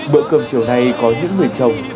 bữa cơm chiều nay có những người chồng